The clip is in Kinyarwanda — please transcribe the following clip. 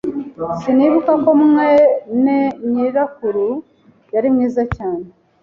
Sinibuka ko mwene nyirakuru yari mwiza cyane.